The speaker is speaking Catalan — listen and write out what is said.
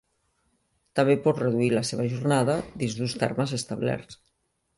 També pot reduir la seva jornada dins d'uns termes establerts.